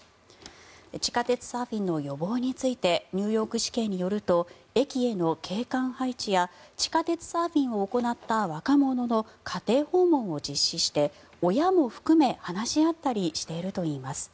地下鉄サーフィンの予防についてニューヨーク市警によると駅への警官配置や地下鉄サーフィンを行った若者の家庭訪問を実施して親も含め話し合ったりしているといいます。